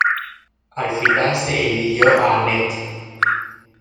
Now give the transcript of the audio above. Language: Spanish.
Al final se eligió a Anette.